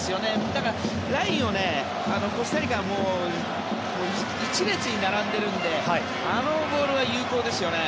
だからラインをコスタリカが１列に並んでいるのであのボールは有効ですよね。